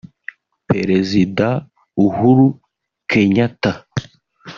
Perezida Uhuru Kenyatta